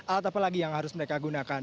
alat apa lagi yang harus mereka gunakan